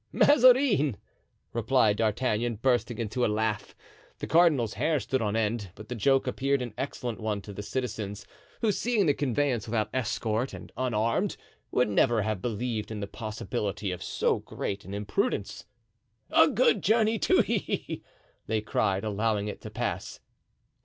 "Mazarin!" replied D'Artagnan, bursting into a laugh. The cardinal's hair stood on end. But the joke appeared an excellent one to the citizens, who, seeing the conveyance without escort and unarmed, would never have believed in the possibility of so great an imprudence. "A good journey to ye," they cried, allowing it to pass.